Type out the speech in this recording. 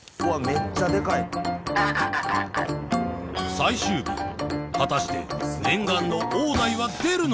最終日果たして念願の大ダイは出るのか？